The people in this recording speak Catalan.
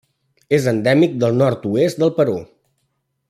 És endèmic del nord-oest del Perú.